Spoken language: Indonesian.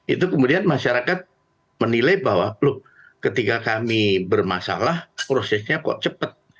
itu kemudian masyarakat menilai bahwa ketika kami bermasalah prosesnya kok cepat